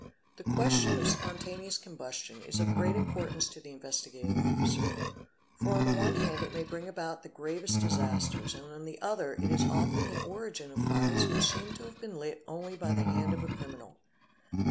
The question of spontaneous combustion is of great importance to the Investigating Officer, for on the one hand it may bring about the gravest disasters and on the other it is often the origin of fires which seem to have been lit only by the hand of a criminal..